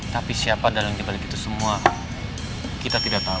tapi siapa dalang dibalik itu semua kita tidak tahu